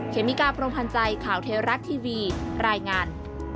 เคมิการ์พรมพันธ์ใจข่าวเทรัตน์ทีวีรายงาน